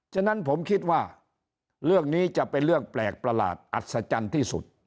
ฉะนั้นผมคิดว่าเรื่องนี้จะเป็นเรื่องแปลกประหลาดอัศจรรย์ที่สุด